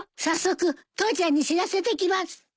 早速父ちゃんに知らせてきます。